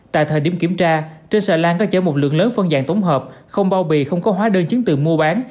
tại thời điểm kiểm tra trên xà lan có chở một lượng lớn phân dạng tổng hợp không bao bì không có hóa đơn chứng từ mua bán